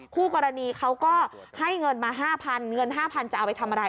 คู่กรณีเขาก็ให้เงินมา๕๐๐เงิน๕๐๐จะเอาไปทำอะไร